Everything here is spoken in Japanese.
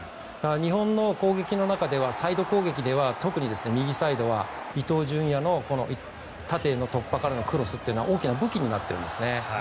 日本の攻撃の中ではサイド攻撃では特に右サイドは伊東純也の縦への突破からのクロスは大きな武器になっているんですね。